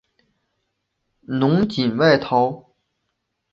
侬锦外逃。